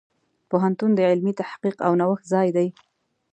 پوهنتون د علمي تحقیق او نوښت ځای دی.